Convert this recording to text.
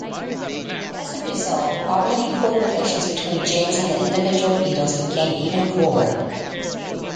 As a result, already-cool relations between James and the individual Beatles became even cooler.